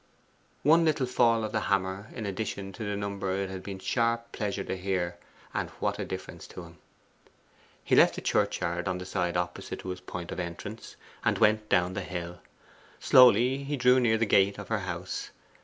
One little fall of the hammer in addition to the number it had been sharp pleasure to hear, and what a difference to him! He left the churchyard on the side opposite to his point of entrance, and went down the hill. Slowly he drew near the gate of her house.